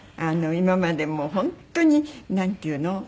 今までも本当になんていうの？